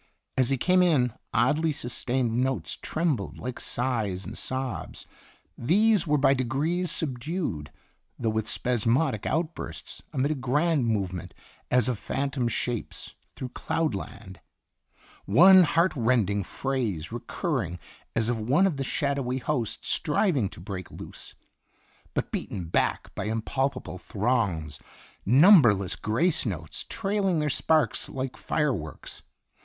As he came in, oddly sus tained notes trembled like sighs and sobs; these were by degrees subdued, though with spasmodic outbursts, amid a grand movement as of phantom shapes through cloud land. One heart rending phrase recurring as of one of the shadowy host striving to break loose, but beaten back by impalpable throngs, number less grace notes trailing their sparks like fire works.